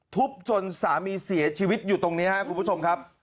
จนสามีเสียชีวิตอยู่ตรงนี้ครับคุณผู้ชมครับ